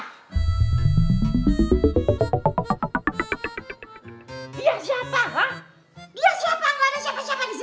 gak ada siapa siapa